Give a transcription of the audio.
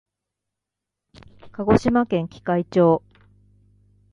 鹿児島県喜界町